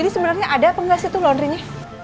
jadi sebenernya ada apa ga sih tuh londrinya